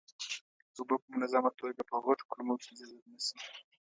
اوبه په منظمه توګه په غټو کولمو کې جذب نشي.